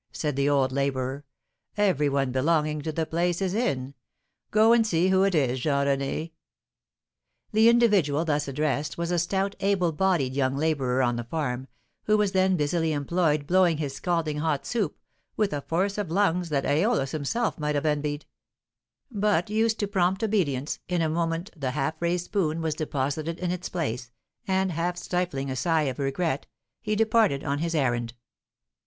said the old labourer; "every one belonging to the place is in. Go and see who it is, Jean René." The individual thus addressed was a stout, able bodied young labourer on the farm, who was then busily employed blowing his scalding hot soup, with a force of lungs that Æolus himself might have envied; but, used to prompt obedience, in a moment the half raised spoon was deposited in its place, and, half stifling a sigh of regret, he departed on his errand.